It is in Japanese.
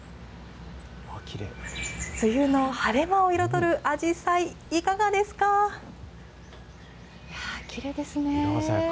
梅雨の晴れ間を彩るアジサイ、いかがですか？